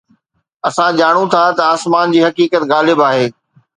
اسان ڄاڻون ٿا ته آسمان جي حقيقت غالب آهي